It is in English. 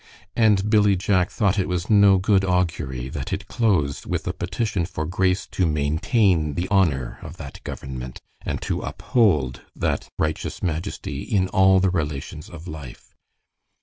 And Billy Jack thought it was no good augury that it closed with a petition for grace to maintain the honor of that government, and to uphold that righteous majesty in all the relations of life.